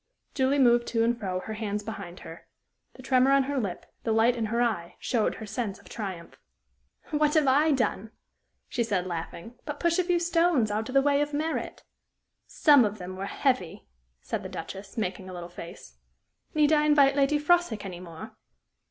Julie moved to and fro, her hands behind her. The tremor on her lip, the light in her eye showed her sense of triumph. "What have I done," she said, laughing, "but push a few stones out of the way of merit?" "Some of them were heavy," said the Duchess, making a little face. "Need I invite Lady Froswick any more?"